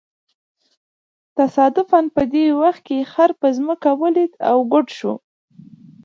تصادفاً په دې وخت کې یې خر په ځمکه ولویېد او ګوډ شو.